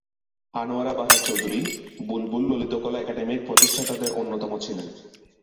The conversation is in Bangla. আনোয়ারা বাহার চৌধুরী বুলবুল ললিতকলা একাডেমির প্রতিষ্ঠাতাদের অন্যতম ছিলেন।